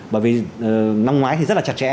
bởi vì năm ngoái thì rất là chặt chẽ